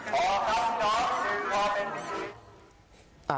พอพอ